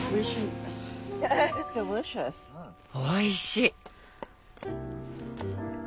おいしい！